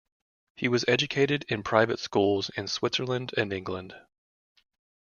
He was educated in private schools in Switzerland and England.